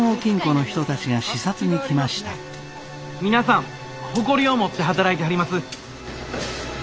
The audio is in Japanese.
皆さん誇りを持って働いてはります。